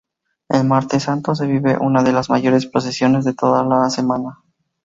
El Martes Santo, se vive una de las mayores procesiones de toda la semana.